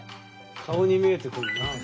顔に見えてくるなあ。